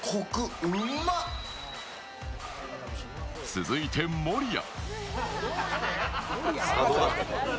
続いて守谷。